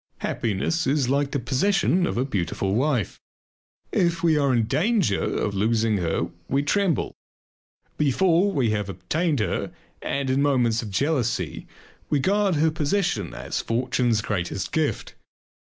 Happiness is like the possession of a beautiful wife. If we are in danger of losing her we tremble. Before we have obtained her and in moments of jealousy we guard her possession as fortune's greatest gift.